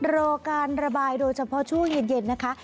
รอการระบายโดยเฉพาะช่วงเย็นนะคะ